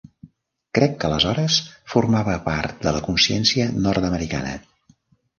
Crec que aleshores formava part de la consciència nord-americana.